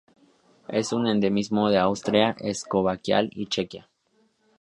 Es un endemismo de Austria, Eslovaquia y Chequia.